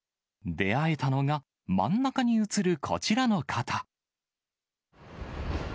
出会えたのが、真ん中に写るこちらの方。